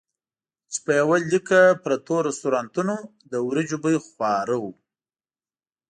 چې په یوه لیکه پرتو رستورانتونو د وریجو بوی خواره وو.